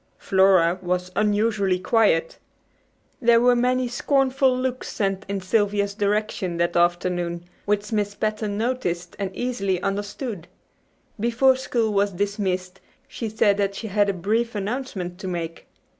Flora was unusually quiet. There were many scornful looks sent in Sylvia's direction that afternoon, which Miss Patten noticed and easily understood. Before school was dismissed she said that she had a brief announcement to make.